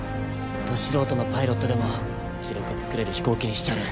ど素人のパイロットでも記録作れる飛行機にしちゃる。